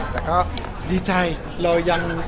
แต่ก็ดีใจเรายัง